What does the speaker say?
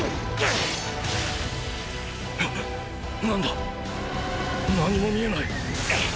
何だ⁉何も見えない！！